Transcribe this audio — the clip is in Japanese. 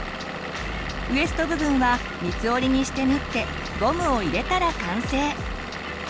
ウエスト部分は三つ折りにして縫ってゴムを入れたら完成。